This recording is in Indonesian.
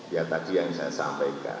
ya tadi yang saya sampaikan